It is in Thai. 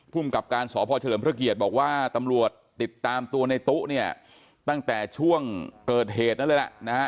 กับการสพเฉลิมพระเกียรติบอกว่าตำรวจติดตามตัวในตู้เนี่ยตั้งแต่ช่วงเกิดเหตุนั้นเลยล่ะนะฮะ